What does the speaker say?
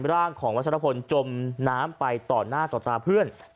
ร่างของวัชรพลจมน้ำไปต่อหน้าต่อตาเพื่อน